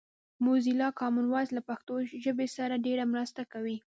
موزیلا کامن وایس له پښتو ژبې سره ډېره مرسته کوي